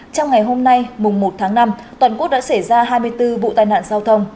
trong ngày hôm nay mùng một tháng năm toàn quốc đã xảy ra hai mươi bốn vụ tai nạn giao thông